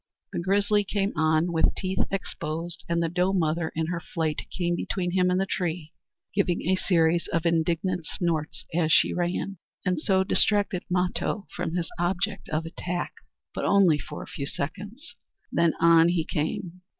The grizzly came on with teeth exposed, and the doe mother in her flight came between him and the tree, giving a series of indignant snorts as she ran, and so distracted Mato from his object of attack; but only for a few seconds then on he came!